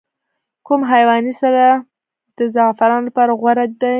کوم حیواني سره د زعفرانو لپاره غوره ده؟